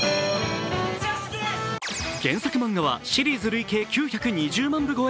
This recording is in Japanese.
原作漫画はシリーズ累計９２０万部越え。